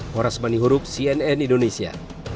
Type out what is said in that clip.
horas banihurup cnn indonesia